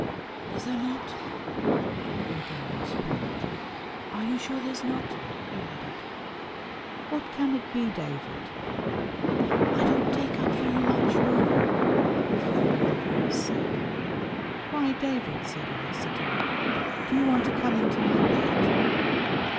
"Is there not?" he again asked politely. "Are you sure there's not?" he added. "What can it be, David?" "I don't take up very much room," the far away voice said. "Why, David," said I, sitting up, "do you want to come into my bed?"